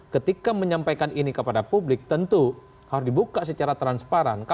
ketika menyampaikan ini kepada publik tentu harus dibuka secara transparan